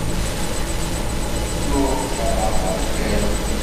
Tuɣ kerheɣ tarakalt.